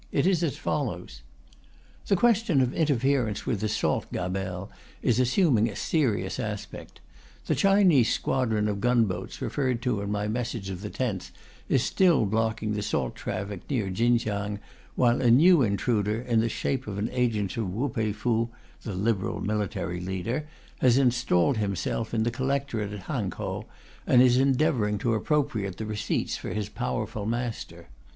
It is as follows: The question of interference with the Salt Gabelle is assuming a serious aspect. The Chinese squadron of gunboats referred to in my message of the 10th is still blocking the salt traffic near Chingkiang, while a new intruder in the shape of an agent of Wu Pei Fu [the Liberal military leader] has installed himself in the collectorate at Hankow, and is endeavouring to appropriate the receipts for his powerful master.